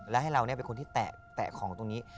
และให้เราเป็นคนที่แตะของตรงนี้